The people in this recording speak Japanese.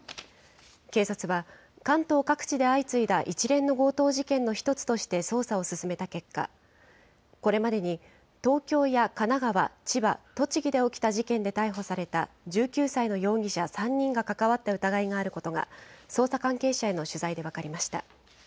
警察は、関東各地で相次いだ一連の強盗事件の一つとして捜査を進めた結果、これまでに東京や神奈川、千葉、栃木で起きた事件で逮捕された１９歳の容疑者３人が関わった疑いがあることが、捜査関係者への取材で分かりました。